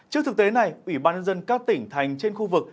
trước thực tế này ủy ban nhân dân các tỉnh thành trên khu vực